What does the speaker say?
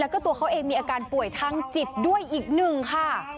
การป่วยทั้งจิตด้วยอีกหนึ่งค่ะ